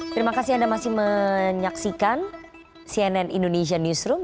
terima kasih anda masih menyaksikan cnn indonesia newsroom